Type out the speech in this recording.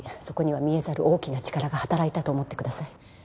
そこには見えざる大きな力が働いたと思ってください。